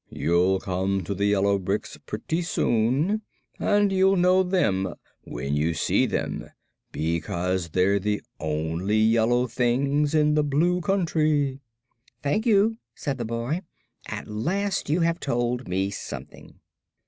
You'll come to the yellow bricks pretty soon, and you'll know them when you see them because they're the only yellow things in the blue country." "Thank you," said the boy. "At last you have told me something."